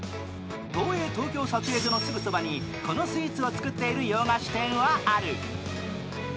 東映東京撮影所のすぐそばに、このスイーツを作っている洋菓子店はある。